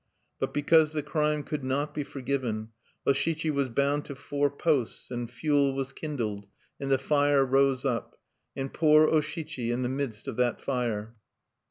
But, because the crime could not be forgiven, O Shichi was bound to four posts, and fuel was kindled, and the fire rose up!... And poor O Shichi in the midst of that fire!